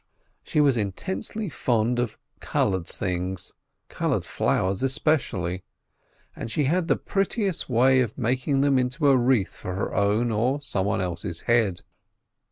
She was intensely fond of coloured things, coloured flowers especially; and she had the prettiest way of making them into a wreath for her own or some one else's head.